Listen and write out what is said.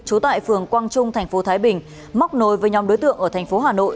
trú tại phường quang trung thành phố thái bình móc nối với nhóm đối tượng ở thành phố hà nội